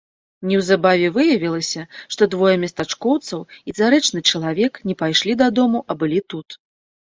Неўзабаве выявілася, што двое местачкоўцаў і зарэчны чалавек не пайшлі дадому, а былі тут.